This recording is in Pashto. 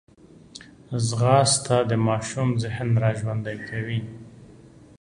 ځغاسته د ماشوم ذهن راژوندی کوي